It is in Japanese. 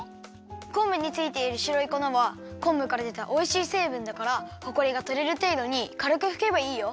こんぶについているしろいこなはこんぶからでたおいしいせいぶんだからほこりがとれるていどにかるくふけばいいよ。